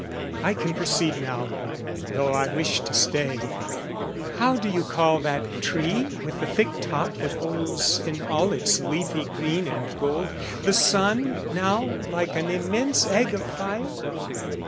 "I can proceed now, though I wish to stay. "How do you call that tree with the thick top "That holds in all its leafy green and gold "The sun now like an immense egg of fire?"